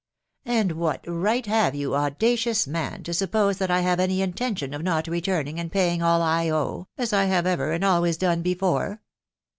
" And what right have you, audacious man ! to suppose that I have any intention of not returning, and paying all 1 owe, as I have ever and always done before